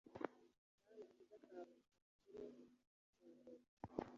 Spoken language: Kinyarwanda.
Mana agakiza kawe kanshyire hejuru